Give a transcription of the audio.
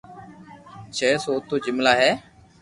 ڇي سو تو جملا ھي